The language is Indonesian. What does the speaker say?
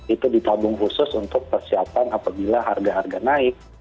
itu ditabung khusus untuk persiapan apabila harga harga naik